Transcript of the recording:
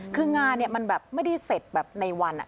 คืองานมันแบบไม่ได้เสร็จแบบในวัน